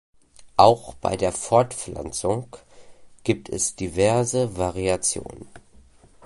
Auch bei der Fortpflanzung gibt es diverse Variationen.